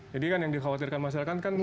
jadi kan yang dikhawatirkan masyarakat kan